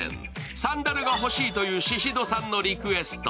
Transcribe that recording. サンダルが欲しいというシシドさんのリクエスト。